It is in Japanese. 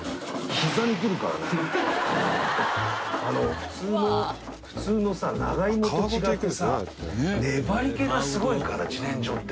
普通の普通のさ長芋と違ってさ粘り気がすごいから自然薯って。